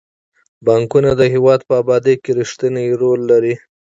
بانکونه د هیواد په ابادۍ کې رښتینی رول لري.